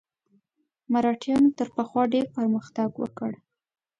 مرهټیانو تر پخوا ډېر پرمختګ وکړ.